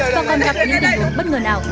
và còn gặp những tình huống bất ngờ nào